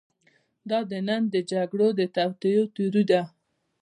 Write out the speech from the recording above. دا د نن د جګړو د توطیو تیوري ده.